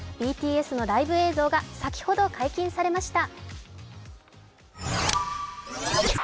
ＢＴＳのライブ映像が先ほど解禁されました。